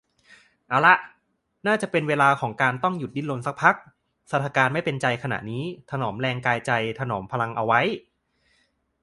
เอาล่ะ น่าจะเป็นเวลาของการต้องหยุดดิ้นรนสักพัก สถานการณ์ไม่เป็นใจขณะนี้ ถนอมแรงกายใจ ถนอมพลังเอาไว้